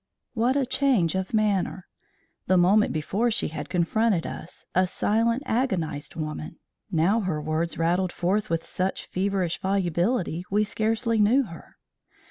What a change of manner! The moment before she had confronted us, a silent agonised woman; now her words rattled forth with such feverish volubility we scarcely knew her.